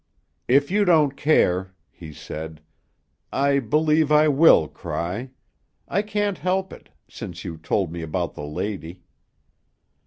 "If you don't care," he said, "I believe I will cry; I can't help it, since you told me about the lady."